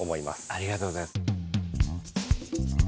ありがとうございます。